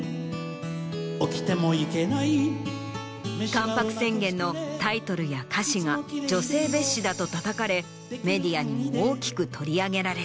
『関白宣言』のタイトルや歌詞が女性蔑視だとたたかれメディアにも大きく取り上げられた。